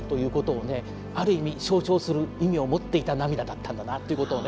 ある意味象徴する意味を持っていた涙だったんだなということをね